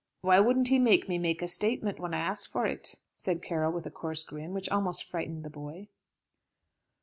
"Why wouldn't he make me a statement when I asked for it?" said Carroll, with a coarse grin, which almost frightened the boy.